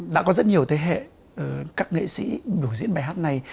đã có rất nhiều thế hệ các nghệ sĩ biểu diễn bài hát này